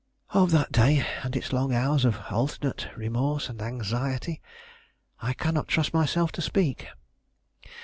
Of that day, and its long hours of alternate remorse and anxiety, I cannot trust myself to speak.